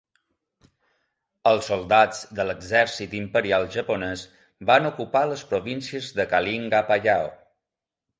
Els soldats de l'exèrcit imperial japonès van ocupar les províncies de Kalinga-Apayao.